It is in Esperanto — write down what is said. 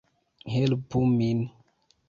Helpu min!